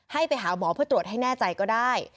ให้ไปหาหมอเพื่อตรวจให้แน่ใจก็ได้